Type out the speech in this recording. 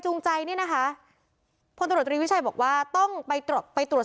ใจนี่นะคะพลตรวจตรีวิชัยบอกว่าต้องไปตรวจไปตรวจ